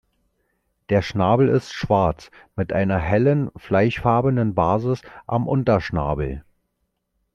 Der Schnabel ist schwarz mit einer hellen fleischfarbenen Basis am Unterschnabel.